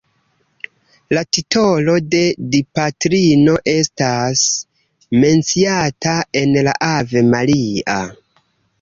La titolo de Dipatrino estas menciata en la Ave Maria.